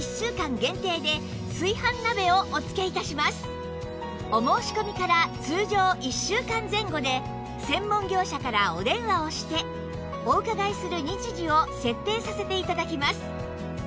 さらにお申し込みから通常１週間前後で専門業者からお電話をしてお伺いする日時を設定させて頂きます